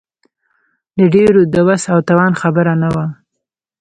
د ډېرو د وس او توان خبره نه وه.